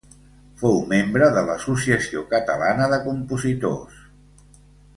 Fou membre de l'Associació Catalana de Compositors.